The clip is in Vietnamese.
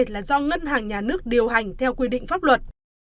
là do ngân hàng nhà nước điều hành theo quy định pháp luật